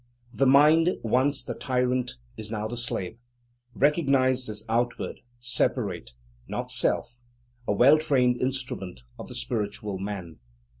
The "mind," once the tyrant, is now the slave, recognized as outward, separate, not Self, a well trained instrument of the Spiritual Man.